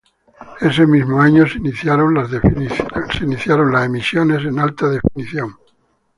Ese mismo año se iniciaron las emisiones en alta definición.